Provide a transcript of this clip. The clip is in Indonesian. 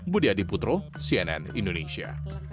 budi adiputro cnn indonesia